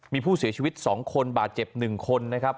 มีผู้เสียชีวิต๒คนบาดเจ็บ๑คนนะครับ